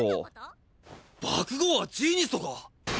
爆豪はジーニストか！？